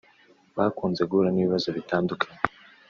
bakunze guhura n’ibibazo bitandukanye